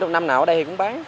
năm nào ở đây thì cũng bán